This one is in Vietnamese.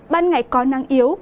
ban ngày có nắng yếu